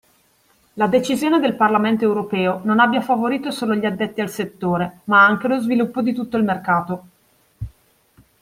La decisione del Parlamento Europeo non abbia favorito solo gli addetti al settore, ma anche lo sviluppo di tutto il mercato.